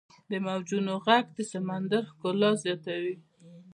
• د موجونو ږغ د سمندر ښکلا زیاتوي.